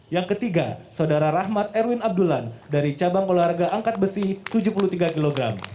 yang ketiga saudara rahmat erwin abdulan dari cabang olahraga angkat besi tujuh puluh tiga kg